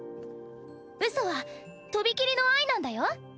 嘘は、とびきりの愛なんだよ！